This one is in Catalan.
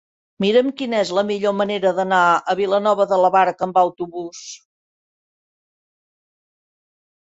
Mira'm quina és la millor manera d'anar a Vilanova de la Barca amb autobús.